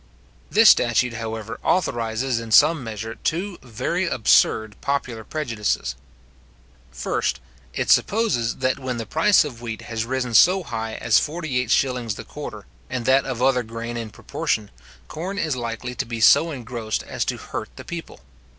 This statute, however, authorises in some measure two very absurd popular prejudices. First, It supposes, that when the price of wheat has risen so high as 48s. the quarter, and that of other grain in proportion, corn is likely to be so engrossed as to hurt the people.